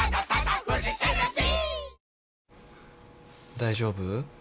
大丈夫？